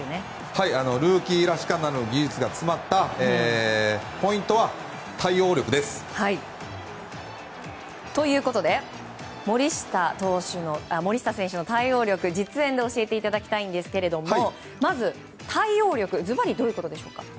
ルーキーらしからぬ技術が詰まったポイントは、対応力です。ということで森下選手の対応力実演で教えていただきたいんですがまず、対応力ずばりどういうことでしょうか。